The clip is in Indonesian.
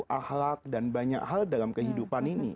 ahlak dan banyak hal dalam kehidupan ini